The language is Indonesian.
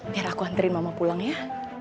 biar aku antri mama pulang ya